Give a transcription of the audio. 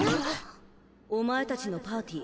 お前たちのパーティ